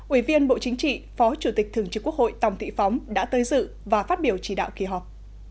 ủy viên bộ chính trị phó chủ tịch thường trực quốc hội tòng thị phóng đã tới dự và phát biểu chỉ đạo kỳ họp